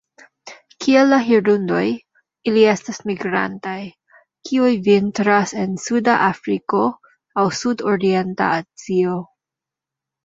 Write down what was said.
Kiel la hirundoj, ili estas migrantaj, kiuj vintras en suda Afriko aŭ sudorienta Azio.